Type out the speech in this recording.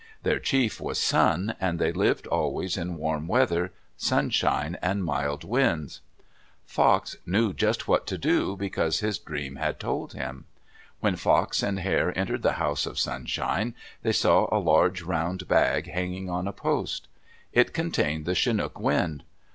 Their chief was Sun, and they lived always in warm weather, sunshine, and mild winds. Fox knew just what to do because his dream had told him. When Fox and Hare entered the House of Sunshine, they saw a large round bag hanging on a post. It contained the chinook wind.